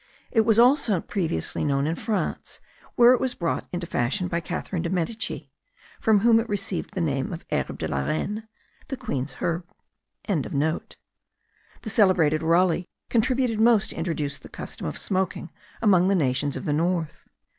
It was also previously known in France, where it was brought into fashion by Catherine de Medicis, from whom it received the name of herbe a la reine, the queen's herb.) The celebrated Raleigh contributed most to introduce the custom of smoking among the nations of the north.